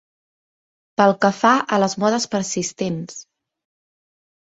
Pel que fa a les modes persistents